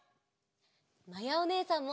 まやおねえさんも！